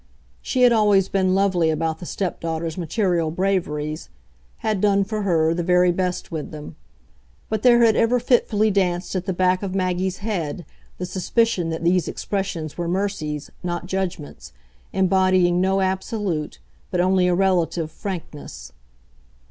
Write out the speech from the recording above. She had always been lovely about the stepdaughter's material braveries had done, for her, the very best with them; but there had ever fitfully danced at the back of Maggie's head the suspicion that these expressions were mercies, not judgments, embodying no absolute, but only a relative, frankness.